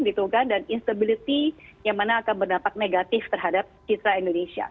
gitu kan dan instabiliti yang mana akan berdapat negatif terhadap kita indonesia